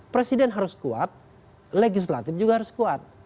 presiden harus kuat legislatif juga harus kuat